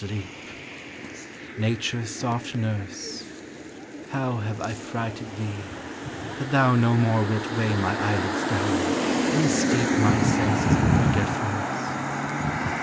434 POEMS OF SENTIMENT, Nature's soft nurse, how have I frighted thee, That thou no more wilt weigh my eyelids down, And steep my senses in forgetfulness?